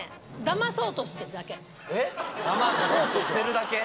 だまそうとしてるだけ？